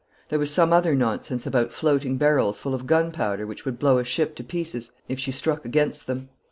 There was some other nonsense about floating barrels full of gunpowder which would blow a ship to pieces if she struck against them.